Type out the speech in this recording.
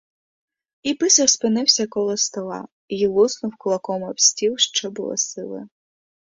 І писар спинивсь коло стола й луснув кулаком об стіл що було сили.